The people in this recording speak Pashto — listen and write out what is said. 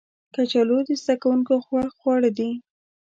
کچالو د زده کوونکو خوښ خواړه دي